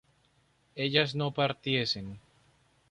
ellas no partiesen